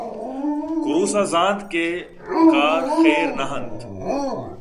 کُروس ءَ زانت کہ کار خیر نہ اَنت